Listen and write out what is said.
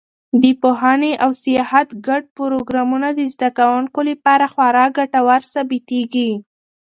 د پوهنې او سیاحت ګډ پروګرامونه د زده کوونکو لپاره خورا ګټور ثابتېږي.